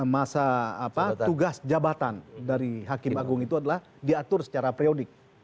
masa tugas jabatan dari hakim agung itu adalah diatur secara periodik